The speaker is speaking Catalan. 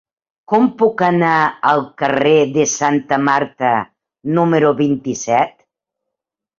Com puc anar al carrer de Santa Marta número vint-i-set?